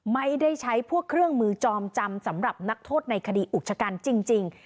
ไม่ได้ใช้พวกเครื่องมือจอมจำสำหรับนักโทษในคดีอุกชกันจริง